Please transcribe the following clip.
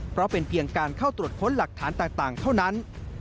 เพราะเป็นเพียงการเข้าตรวจค้นหลักฐานต่างเท่านั้น